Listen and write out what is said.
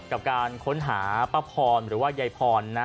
กับการค้นหาป้าพรหรือว่ายายพรนะ